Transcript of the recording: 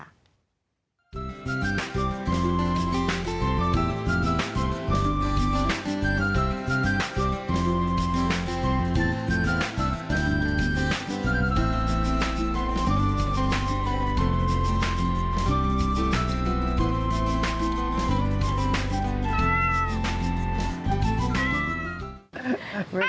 แปลว่า